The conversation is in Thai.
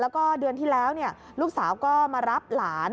แล้วก็เดือนที่แล้วลูกสาวก็มารับหลาน